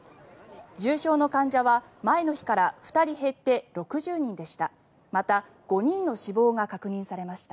重症の患者は前の日から２人減って６０人でした。